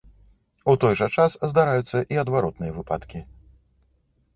У той жа час здараюцца і адваротныя выпадкі.